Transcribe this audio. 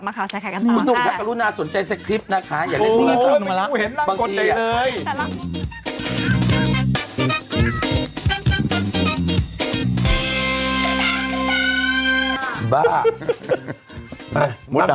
มันเปิดแบบบ้า